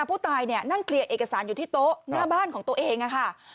ผู้ตายเนี่ยนั่งเคลียร์เอกสารอยู่ที่โต๊ะหน้าบ้านของตัวเองค่ะ